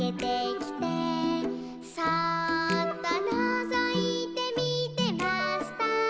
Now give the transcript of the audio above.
「そうっとのぞいてみてました」